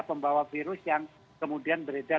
pembawa virus yang kemudian beredar